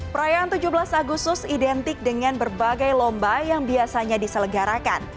perayaan tujuh belas agustus identik dengan berbagai lomba yang biasanya diselenggarakan